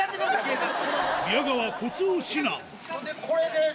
これで。